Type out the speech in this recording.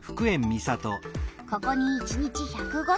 ここに１日１０５トン。